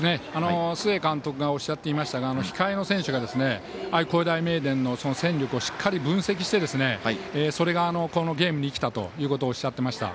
須江監督がおっしゃっていましたが控えの選手が愛工大名電の戦力をしっかり分析してそれがこのゲームに生きたということをおっしゃっていました。